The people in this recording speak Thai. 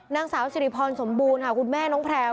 นางสาวสิริพรสมบูรณ์ค่ะคุณแม่น้องแพลว